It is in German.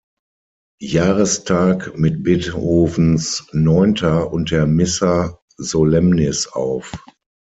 Jahrestag mit Beethovens "Neunter" und der "Missa solemnis" auf.